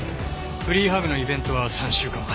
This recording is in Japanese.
フリーハグのイベントは３週間前。